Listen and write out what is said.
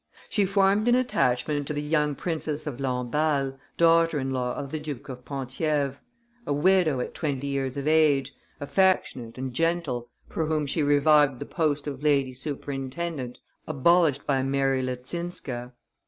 She formed an attachment to the young Princess of Lamballe, daughter in law of the Duke of Penthievre, a widow at twenty years of age, affectionate and gentle, for whom she revived the post of lady superintendent, abolished by Mary Leczinska.